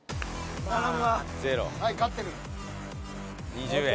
２０円。